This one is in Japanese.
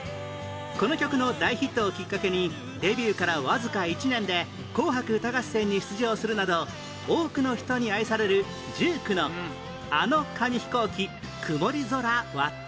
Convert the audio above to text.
この曲の大ヒットをきっかけにデビューからわずか１年で『紅白歌合戦』に出場するなど多くの人に愛される１９の『あの紙ヒコーキくもり空わって』